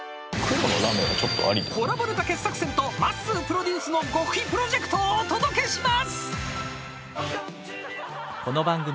［コラボネタ傑作選とまっすープロデュースの極秘プロジェクトをお届けします］